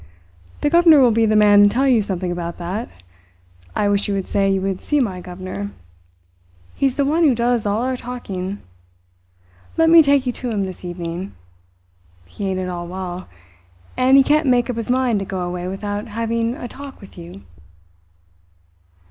"The governor will be the man to tell you something about that. I wish you would say you would see my governor. He's the one who does all our talking. Let me take you to him this evening. He ain't at all well; and he can't make up his mind to go away without having a talk with you."